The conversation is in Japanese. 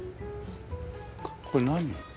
これ何？